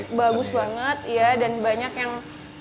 itu bagus banget ya dan banyak yang